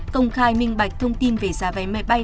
công khai minh bạch thông tin về giá vé máy bay